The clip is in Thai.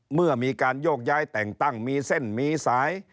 เมื่อมีการโยกย้ายแต่งตั้งมีเส้นมีสาย